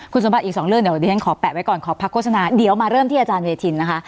คุณสมบัติอีกสองเรื่องเดี๋ยวดิฉันขอแปะไว้ก่อนขอพักโฆษณาเดี๋ยวมาเริ่มที่อาจารย์เวทินนะคะ